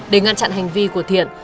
để ngăn chặn hành vi của thiện